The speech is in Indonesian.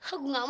aku mau pergi